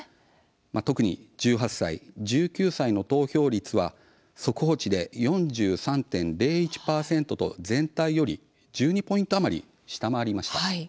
特に１８歳１９歳の投票率は速報値で４３．０１％と全体より１２ポイント余り下回りました。